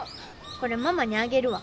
これママにあげるわ。